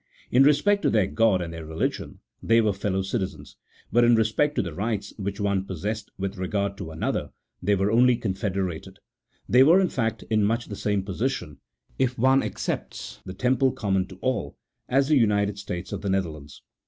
In respect to their God and their religion, they were fellow citizens ; but, in respect to the rights which one possessed with regard to another, they were only confederated : they were, in fact, in much the same position (if one excepts the Temple common to all) as the United States of the Netherlands